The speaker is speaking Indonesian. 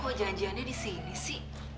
oh janjiannya di sini sih